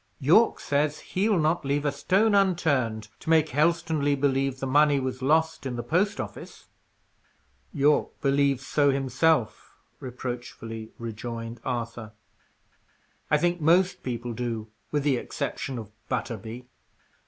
Yorke says he'll not leave a stone unturned to make Helstonleigh believe the money was lost in the post office." "Yorke believes so himself," reproachfully rejoined Arthur. "I think most people do, with the exception of Butterby.